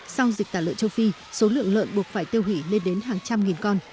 sau dịch tả lợn châu phi số lượng lợn buộc phải tiêu hủy lên đến hàng trăm nghìn con